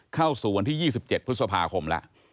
เข้าสู่วันที่๒๗พฤษภาคมแล้ว